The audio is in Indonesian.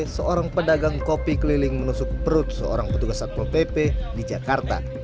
seorang pedagang kopi keliling menusuk perut seorang petugas satpol pp di jakarta